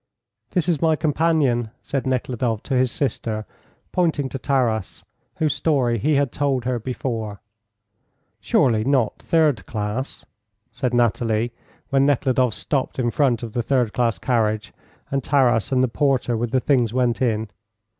"This is my companion," said Nekhludoff to his sister, pointing to Taras, whose story he had told her before. "Surely not third class?" said Nathalie, when Nekhludoff stopped in front of a third class carriage, and Taras and the porter with the things went in.